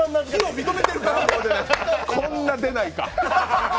こんな出ないか。